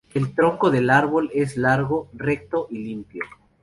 El tronco del árbol es largo, recto y limpio.